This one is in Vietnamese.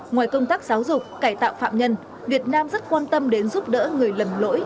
ngoài công tác giáo dục cải tạo phạm nhân việt nam rất quan tâm đến giúp đỡ người lầm lỗi